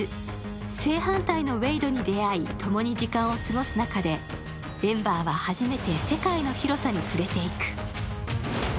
正反対のウェイドに出会い共に時間を過ごす中で、エンバーは初めて世界の広さに触れていく。